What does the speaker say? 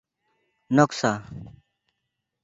ᱱᱚᱠᱥᱟ